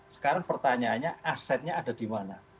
sekarang pertanyaannya asetnya ada di mana